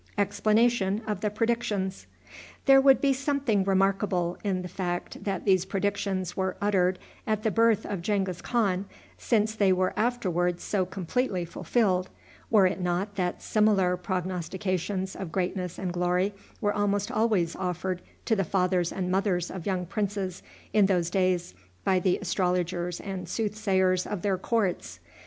There would be something remarkable in the fact that these predictions were uttered at the birth of Genghis Khan, since they were afterward so completely fulfilled, were it not that similar prognostications of greatness and glory were almost always offered to the fathers and mothers of young princes in those days by the astrologers and soothsayers of their courts.